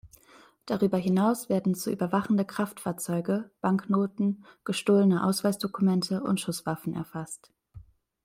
Darüber hinaus werden zu überwachende Kraftfahrzeuge, Banknoten, gestohlene Ausweisdokumente und Schusswaffen erfasst.